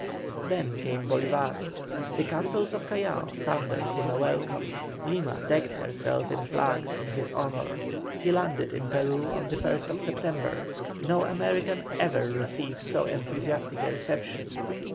Then came Bolívar. The castles of Callao thundered him a welcome; Lima decked herself in flags in his honour. He landed in Peru on the 1st September; no American ever received so enthusiastic a reception.